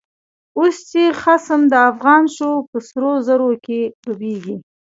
اوس چی خصم د افغان شو، په سرو زرو کی ډوبيږی